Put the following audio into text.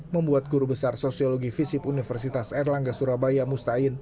membuat guru besar sosiologi visip universitas erlangga surabaya mustain